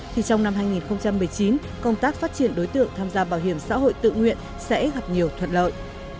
thì trong năm hai nghìn một mươi chín công tác phát triển đối tượng tham gia bảo hiểm xã hội tự nguyện sẽ gặp nhiều thuận lợi